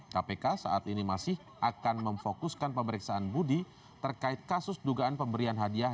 kpk saat ini masih akan memfokuskan pemeriksaan budi terkait kasus dugaan pemberian hadiah